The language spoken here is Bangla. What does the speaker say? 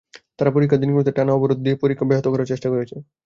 তারা পরীক্ষার দিনগুলোতে টানা অবরোধ দিয়ে পরীক্ষা ব্যাহত করার চেষ্টা করেছে।